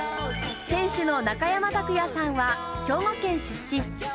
店主の中山卓哉さんは、兵庫県出身。